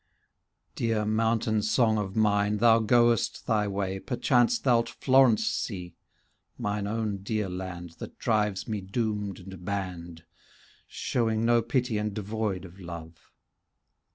Dear mountain song of mine, thou goest thy way, Perchance thou'lt Florence see, mine own dear land, That drives me doomed and batmed. Showing no pity, and devoid of love.